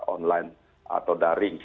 online atau daring